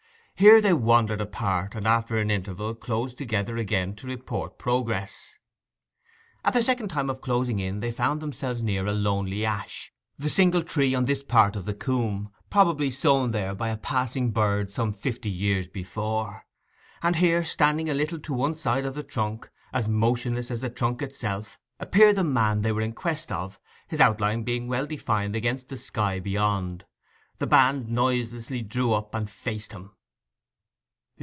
Here they wandered apart, and after an interval closed together again to report progress. At the second time of closing in they found themselves near a lonely ash, the single tree on this part of the coomb, probably sown there by a passing bird some fifty years before. And here, standing a little to one side of the trunk, as motionless as the trunk itself; appeared the man they were in quest of; his outline being well defined against the sky beyond. The band noiselessly drew up and faced him.